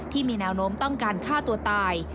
ที่มีแนวโน้มต้องการฆ่าตัวตาย